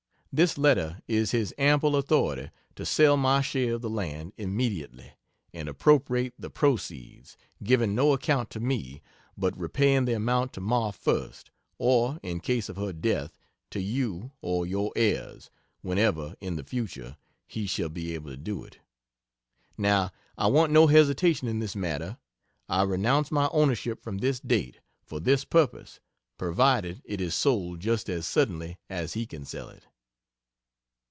This letter is his ample authority to sell my share of the land immediately and appropriate the proceeds giving no account to me, but repaying the amount to Ma first, or in case of her death, to you or your heirs, whenever in the future he shall be able to do it. Now, I want no hesitation in this matter. I renounce my ownership from this date, for this purpose, provided it is sold just as suddenly as he can sell it.